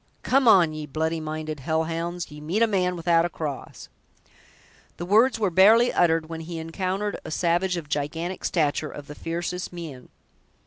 "Come on, ye bloody minded hell hounds! ye meet a man without a cross!" The words were barely uttered, when he encountered a savage of gigantic stature, of the fiercest mien.